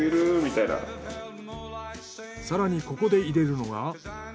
更にここで入れるのが。